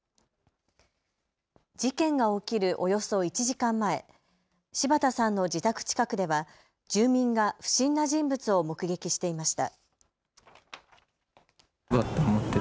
事件が起きるおよそ１時間前、柴田さんの自宅近くでは住民が不審な人物を目撃していました。